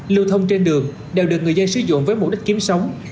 lưu thông trên đường đều được người dân sử dụng với mục đích kiếm sống